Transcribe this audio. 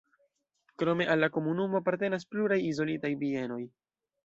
Krome al la komunumo apartenas pluraj izolitaj bienoj.